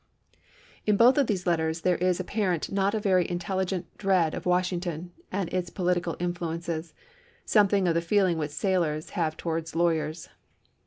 . pp In both of these letters there is apparent a not very intelligent dread of Washington and its political in fluences; something of the feeling which sailors have towards lawyers.